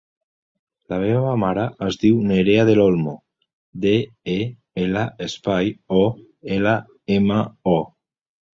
La meva mare es diu Nerea Del Olmo: de, e, ela, espai, o, ela, ema, o.